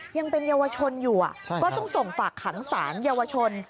ยังเป็นเยาวชนอยู่ก็ต้องส่งฝากขังสารเยาวชน